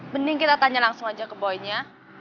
mending kita tanya langsung aja ke boynya